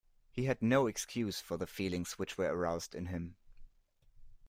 He had no excuse for the feelings which were aroused in him.